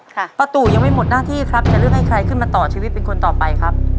ป้าตู่ยังไม่หมดหน้าที่ครับจะเลือกให้ใครขึ้นมาต่อชีวิตเป็นคนต่อไปครับ